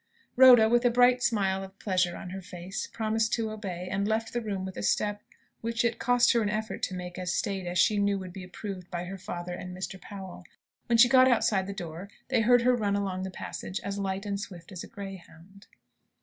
Rhoda, with a bright smile of pleasure on her face, promised to obey, and left the room with a step which it cost her an effort to make as staid as she knew would be approved by her father and Mr. Powell. When she got outside the door, they heard her run along the passage as light and as swift as a greyhound.